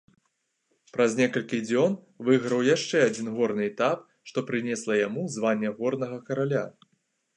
Праз некалькі дзён выйграў яшчэ адзін горны этап, што прынесла яму званне горнага караля.